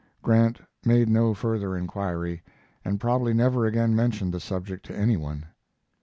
Grant made no further inquiry, and probably never again mentioned the subject to any one.